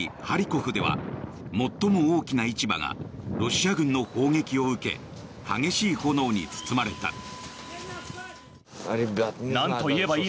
ハリコフでは最も大きな市場がロシア軍の砲撃を受け激しい炎に包まれた。